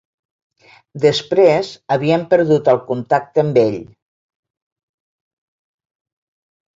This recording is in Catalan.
Després havíem perdut el contacte amb ell